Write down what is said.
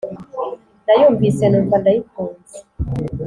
Nayumvise numva ndayikunze